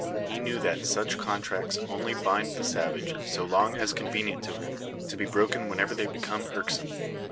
He knew that such contracts only bind the savage so long as convenient to him, to be broken whenever they become irksome.